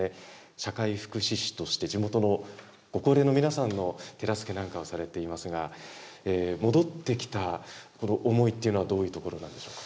社会福祉士として地元のご高齢の皆さんの手助けなんかをされていますが、戻ってきたこの思いっていうのは、どういうところなんでしょうか。